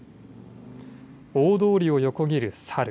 大通りを横切るサル。